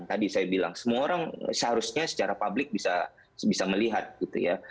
tadi saya bilang semua orang seharusnya secara publik bisa melihat gitu ya